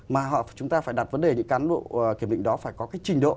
mà chúng ta phải đặt vấn đề những cán bộ kiểm định đó phải có cái trình độ